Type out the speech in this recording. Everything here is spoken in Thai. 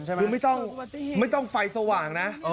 คือไม่ต้องไฟสว่างนะ